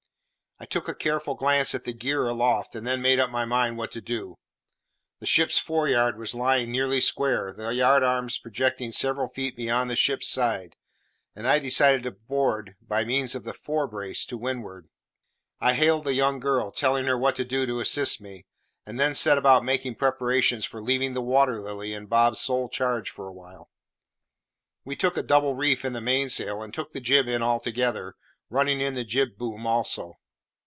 I took a careful glance at the gear aloft, and then made up my mind what to do. The ship's fore yard was lying nearly square, the yard arms projecting several feet beyond the ship's sides, and I decided to board, by means of the fore brace, to windward. I hailed the young girl, telling her what to do to assist me, and then set about making preparations for leaving the Water Lily in Bob's sole charge for a while. We took a double reef in the mainsail, and took the jib in altogether, running in the jib boom also.